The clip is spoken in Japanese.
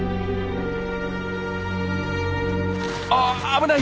あっ危ない！